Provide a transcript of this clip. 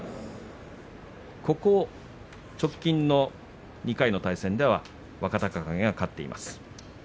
ここ直近の２回の対戦では若隆景が勝っています。